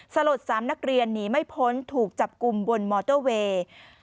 สลด๓นักเรียนหนีไม่พ้นถูกจับกลุ่มบนมอเตอร์เวย์